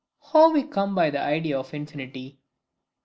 How we come by the Idea of Infinity.